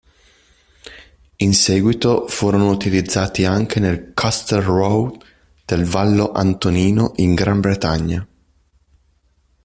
In seguito furono utilizzati anche nel Castel Rough del Vallo Antonino in Gran Bretagna.